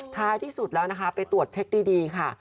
ท้ายที่สุดแล้วนะคะไปตรวจเช็คดีค่ะ